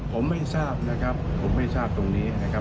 ผมไม่ทราบนะครับผมไม่ทราบตรงนี้นะครับ